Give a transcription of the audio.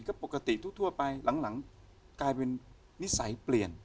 ก็ปกติทั่วไปหลังกลายเป็นนิสัยเปลี่ยน